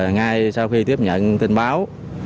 ngay sau khi tiếp nhận tin báo